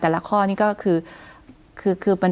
คุณปริณาค่ะหลังจากนี้จะเกิดอะไรขึ้นอีกได้บ้าง